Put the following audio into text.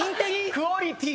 クオリティー！